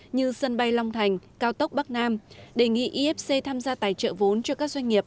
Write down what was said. như sân bay long thành cao tốc bắc nam đề nghị ifc tham gia tài trợ vốn cho các doanh nghiệp